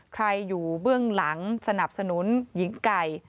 ใครอยู่เบื้องหลังสนับสนุนหญิงไก่